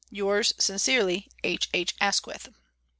" Yours sincerely, " H. H. ASQUITH.